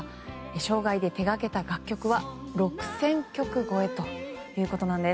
生涯で手掛けた楽曲は６０００曲超えということなんです。